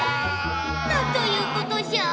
なんということじゃ！